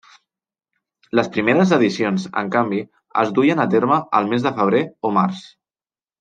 Les primeres edicions, en canvi, es duien a terme al mes de febrer o març.